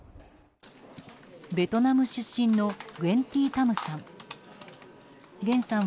ベトナム出身のグェン・ティ・タムさん。